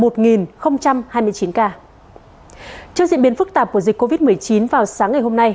trước diễn biến phức tạp của dịch covid một mươi chín vào sáng ngày hôm nay